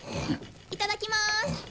いただきます！